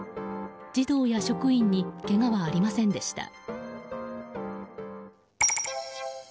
児童や職員にけがはありませんでした。